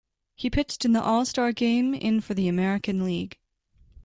He pitched in the All-Star Game in for the American League.